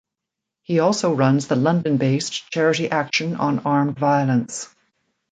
He also runs the London-based Charity Action on Armed Violence.